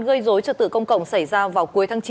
gây dối trật tự công cộng xảy ra vào cuối tháng chín